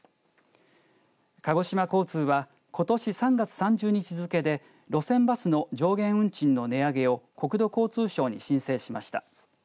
鹿児島交通はことし３月３０日付けで路線バスの上限運賃の値上げを国土交通省に申請しました。